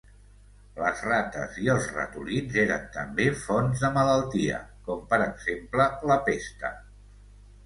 Les rates i els ratolins eren també fonts de malaltia, com per exemple la pesta.